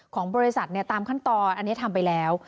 ของบริษัทตามขั้นตอนอันนี้ทำไปแล้ว